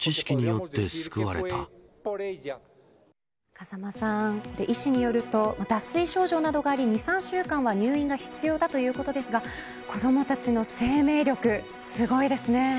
風間さん、医師によると脱水症状などがあり２、３週間は入院が必要だということですが子どもたちの生命力すごいですね。